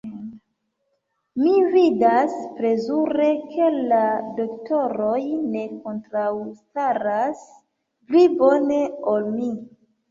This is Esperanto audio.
Mi vidas plezure, ke la doktoroj ne kontraŭstaras pli bone ol mi.